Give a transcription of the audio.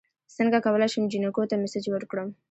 څنګه کولی شم جینکو ته میسج ورکړم